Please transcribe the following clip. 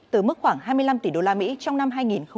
từ mức khoảng hai mươi năm tỷ đô la mỹ trong năm hai nghìn hai mươi hai